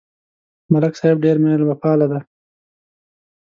ملک صاحب ډېر مېلمهپاله دی.